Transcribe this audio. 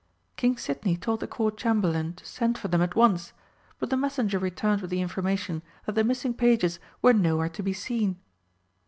King Sidney told the Court Chamberlain to send for them at once, but the messenger returned with the information that the missing pages were nowhere to be seen.